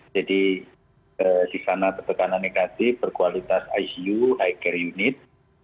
jadi di sana tekanan negatif berkualitas icu high care unit